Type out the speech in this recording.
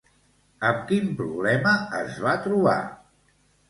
Amb quin problema es va trobar?